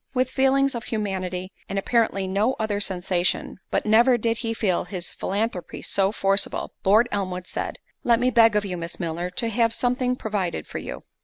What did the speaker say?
With feelings of humanity, and apparently no other sensation—but never did he feel his philanthropy so forcible—Lord Elmwood said, "Let me beg of you, Miss Milner, to have something provided for you."